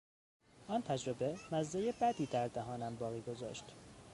آن تجربه مزهی بدی دردهانم باقی گذاشت.